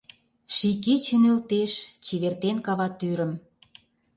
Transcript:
Ший кече нӧлтеш, чевертен каватӱрым.